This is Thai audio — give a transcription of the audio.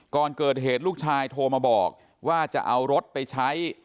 ก่อนเกิดเหตุลูกชายโทรมาบอกว่าจะเอารถไปใช้